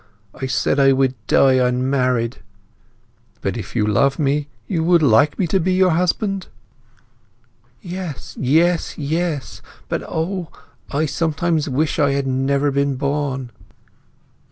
I said I would die unmarried!" "But, if you love me you would like me to be your husband?" "Yes, yes, yes! But O, I sometimes wish I had never been born!"